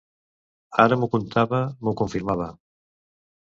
Ara m'ho contava, m'ho confirmava.